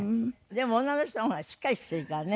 でも女の人の方がしっかりしてるからね。